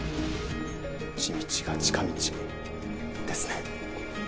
地道が近道ですね。